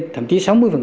thậm chí sáu mươi